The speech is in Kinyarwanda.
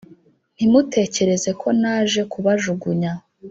Ntimutekereze ko naje kubajugunya